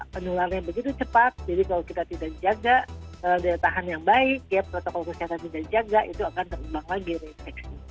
penularnya begitu cepat jadi kalau kita tidak dijaga kalau dia tahan yang baik ya protokol kesehatan tidak dijaga itu akan terumbang lagi dari infeksi